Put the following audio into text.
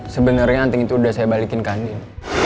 sebenarnya anting itu udah saya balikin ke andil